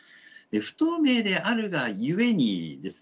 不透明であるがゆえにですね